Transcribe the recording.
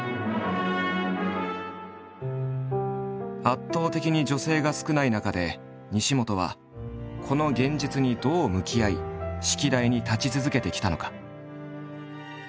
圧倒的に女性が少ない中で西本はこの現実にどう向き合い指揮台に立ち続けてきたのか？